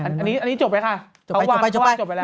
อันนี้จบไว้ค่ะเขาวางเขาวางจบไปแล้ว